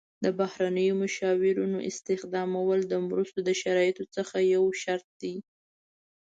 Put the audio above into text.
د بهرنیو مشاورینو استخدامول د مرستو د شرایطو څخه یو شرط دی.